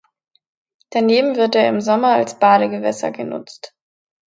Daneben wird er im Sommer als Badegewässer genutzt.